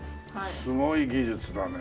すごい技術だね。